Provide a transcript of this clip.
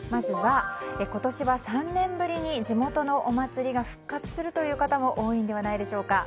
今年は３年ぶりに地元のお祭りが復活するという方も多いのではないでしょうか。